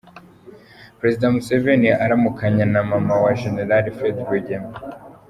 Perezida Museveni aramukanya na Maman wa Gen. Fred Rwigema